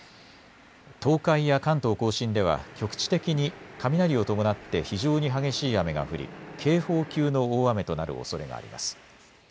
東海や関東甲信では局地的に雷を伴って非常に激しい雨が降り警報級の大雨となるおそれがあります。